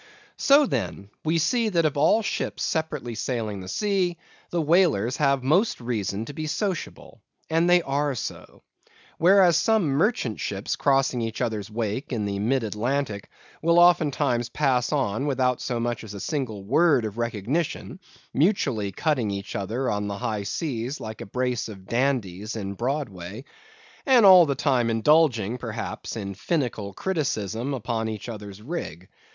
So, then, we see that of all ships separately sailing the sea, the whalers have most reason to be sociable—and they are so. Whereas, some merchant ships crossing each other's wake in the mid Atlantic, will oftentimes pass on without so much as a single word of recognition, mutually cutting each other on the high seas, like a brace of dandies in Broadway; and all the time indulging, perhaps, in finical criticism upon each other's rig.